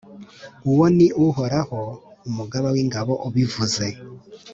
Uwo ni Uhoraho, Umugaba w’ingabo, ubivuze.